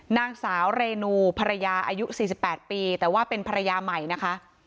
นางสาวเรนูภรรยาอายุ๔๘ปีแต่ว่าเป็นภรรยาใหม่นะคะ